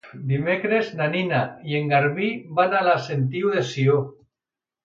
Dimecres na Nina i en Garbí van a la Sentiu de Sió.